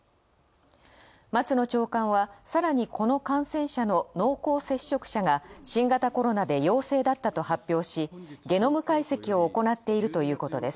松野長官は、さらにこの感染者の濃厚接触者が新型コロナで陽性だったと発表しゲノム解析を行っているということです。